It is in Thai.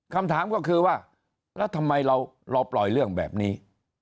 คำถามก็คือว่าแล้วทำไมเราปล่อยเรื่องแบบนี้